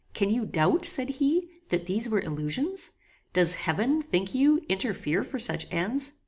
"Can you doubt," said he, "that these were illusions? Does heaven, think you, interfere for such ends?"